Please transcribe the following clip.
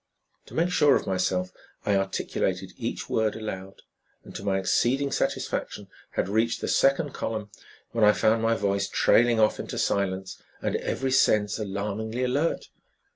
To make sure of myself, I articulated each word aloud, and to my exceeding satisfaction had reached the second column when I found my voice trailing off into silence, and every sense alarmingly alert.